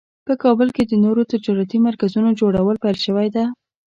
په کابل کې د نوو تجارتي مرکزونو جوړول پیل شوی ده